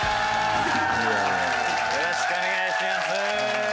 よろしくお願いします。